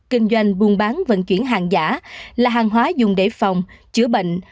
kinh doanh buôn bán vận chuyển hàng giả là hàng hóa dùng để phòng chữa bệnh